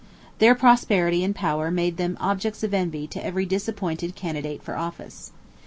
Their prosperity and power made them objects of envy to every disappointed candidate for office.